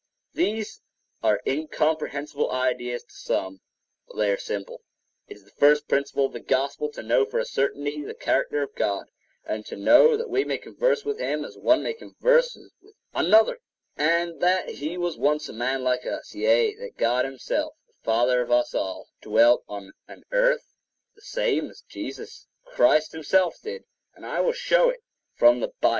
These are incomprehensible ideas to some, but they are simple. It is the first principle of the Gospel to know for a certainty the Character of God, and to know that we may converse with him as one man converses with another, and that he was once a man like us; yea, that God himself, the Father of us all, dwelt on an earth, the same as Jesus Christ himself did; and I will show it from the Bible.